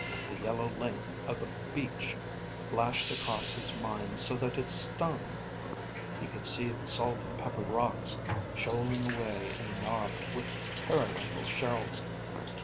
The yellow length of the beach lashed across his mind so that it stung. He could see the salt and pepper rocks, shoaling away and knobbed with periwinkle shells.